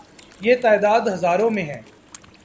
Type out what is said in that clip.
یہ تعداد ہزاروں میں ہے۔